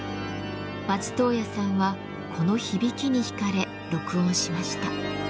松任谷さんはこの響きに引かれ録音しました。